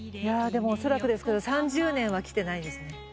おそらくですけど３０年は来てないですね。